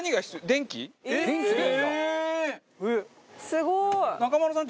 すごい！